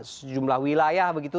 sejumlah wilayah begitu